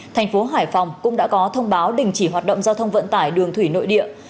thành phố hải phòng cũng đã có thông báo đình chỉ hoạt động giao thông vận tải đường thủy nội địa